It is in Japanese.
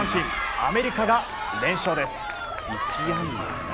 アメリカが連勝です。